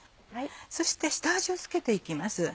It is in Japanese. そして下味を付けて行きます。